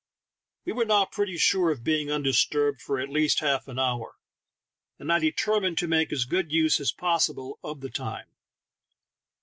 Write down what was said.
We were now pretty sure of being undisturbed for at least half an hour, and I determined to make as good use as possible of the time.